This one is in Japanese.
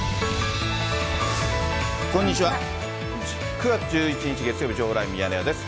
９月１１日月曜日、情報ライブミヤネ屋です。